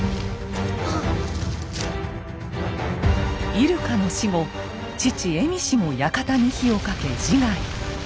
入鹿の死後父・蝦夷も館に火をかけ自害。